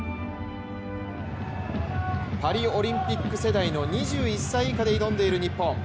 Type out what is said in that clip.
パリオリンピック世代の２１歳以下で挑んでいる日本。